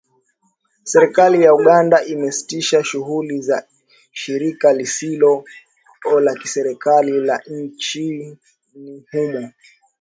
Serikali ya Uganda imesitisha shughuli za shirika lisilo la kiserikali la nchini humo